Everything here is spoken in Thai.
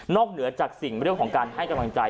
นอกเหนือจากสิ่งของการให้กำลังใจ